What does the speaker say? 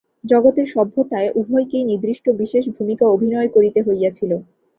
জগতের সভ্যতায় উভয়কেই নির্দিষ্ট বিশেষ ভূমিকা অভিনয় করিতে হইয়াছিল।